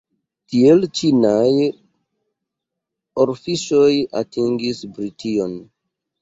Tiel ĉinaj orfiŝoj atingis Brition.